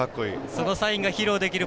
そのサインが披露できる